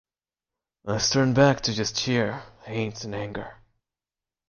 It's turned back to just sheer hate and anger.